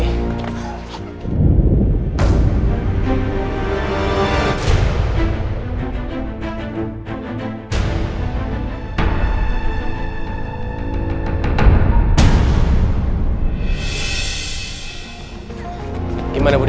tidak kita akan lihat